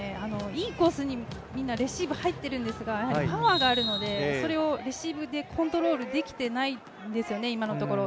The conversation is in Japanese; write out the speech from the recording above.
いいコースにみんなレシーブ入っているんですがパワーがあるのでそれをレシーブでコントロールできていないんですよね、今のところ。